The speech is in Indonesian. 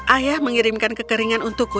ayah mengirimkan kekeringan untukku